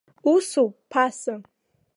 Усоуп ԥаса.